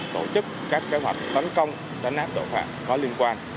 tổ chức các kế hoạch tấn công đánh áp tội phạm có liên quan